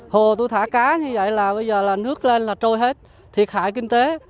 hồ tôi thả cá như vậy là bây giờ là nước lên là trôi hết thiệt hại kinh tế